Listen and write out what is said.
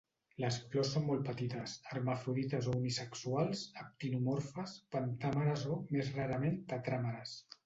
Les flors són molt petites, hermafrodites o unisexuals, actinomorfes, pentàmeres o, més rarament, tetràmeres.